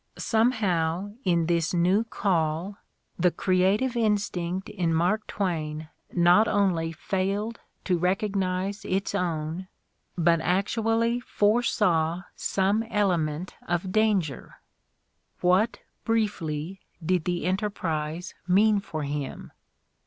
Somehow, in this new call, the creative instinct in Mark Twain not only failed to recognize its own but actually foresaw some element of danger. What, briefly, did the Enterprise mean for him?